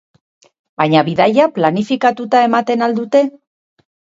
Baina bidaia planifikatuta ematen al dute?